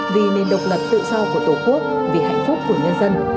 vì nền độc lập tự do của tổ quốc vì hạnh phúc của nhân dân